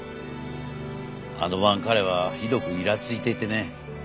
あの晩彼はひどくイラついていてね。